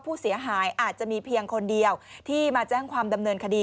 เป็นคนเดียวที่มาแจ้งความดำเนินคดี